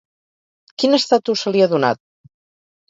Quin estatus se li ha donat?